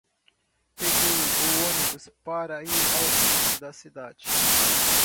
Peguei o ônibus para ir ao centro da cidade.